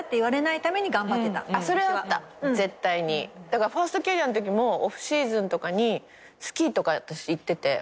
だからファーストキャリアのときもオフシーズンとかにスキーとか私行ってて。